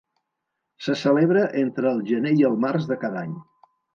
Se celebra entre el gener i el març de cada any.